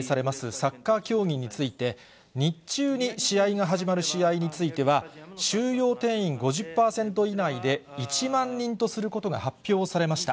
サッカー競技について、日中に試合が始まる試合については、収容定員５０％以内で１万人とすることが発表されました。